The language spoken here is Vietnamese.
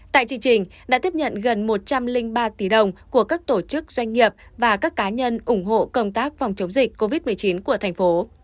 tại chương trình đã tiếp nhận gần một trăm linh ba tỷ đồng của các tổ chức doanh nghiệp và các cá nhân ủng hộ công tác phòng chống dịch covid một mươi chín của thành phố